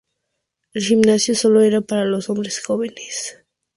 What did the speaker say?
El gimnasio sólo era para los hombres jóvenes.